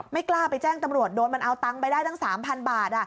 ไม่กล้าไปแจ้งตำรวจโดนมันเอาตังค์ไปได้ตั้ง๓๐๐บาท